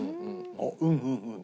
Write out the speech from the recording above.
あっ「うんうんうん」